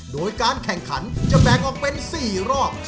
โดยการแข่งขันจะแบ่งออกเป็น๔รอบ